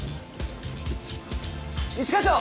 一課長！